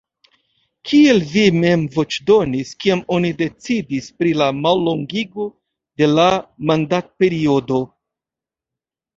Kiel vi mem voĉdonis, kiam oni decidis pri la mallongigo de la mandatperiodo?